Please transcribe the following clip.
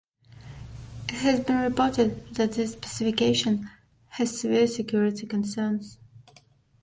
It has been reported that this specification has severe security concerns.